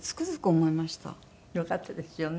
よかったですよね。